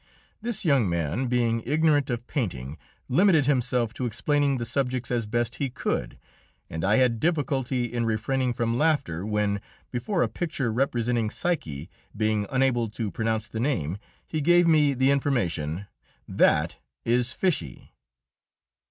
This young man, being ignorant of painting, limited himself to explaining the subjects as best he could, and I had difficulty in refraining from laughter when, before a picture representing Psyche, being unable to pronounce the name, he gave me the information, "That is Fiché."